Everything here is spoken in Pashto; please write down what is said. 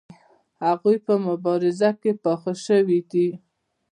هغوی په مبارزه کې پاخه شوي دي.